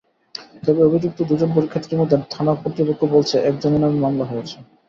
তবে অভিযুক্ত দুজন পরীক্ষার্থীর মধ্যে থানা কর্তৃপক্ষ বলছে একজনের নামে মামলা হয়েছে।